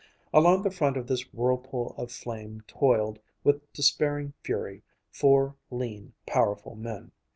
Along the front of this whirlpool of flame toiled, with despairing fury, four lean, powerful men.